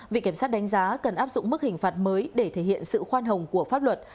viện kiểm sát đánh giá cần áp dụng mức hình phạt mới để thể hiện sự khoan hồng của pháp luật